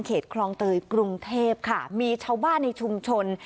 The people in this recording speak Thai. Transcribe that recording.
คลองเตยกรุงเทพค่ะมีชาวบ้านในชุมชน